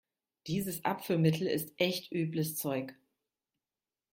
Dieses Abführmittel ist echt übles Zeug.